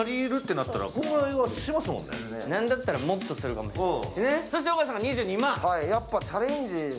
なんだったら、もっとするかもしれない。